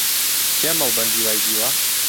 کێ مەڵبەندی وای دیوە؟